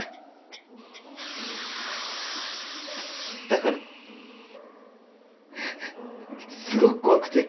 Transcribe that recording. だからすごく怖くて。